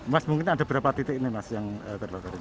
mas mungkin ada berapa titik ini mas yang terbakar ini